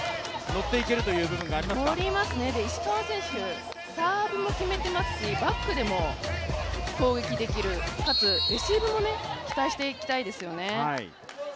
乗りますね、石川選手、サーブも決めてますしバックでも攻撃できる、かつレシーブも期待していきたいですよね。